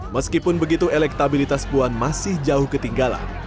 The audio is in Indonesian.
meskipun begitu elektabilitas puan masih jauh ketinggalan